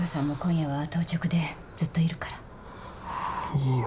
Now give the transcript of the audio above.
いいよ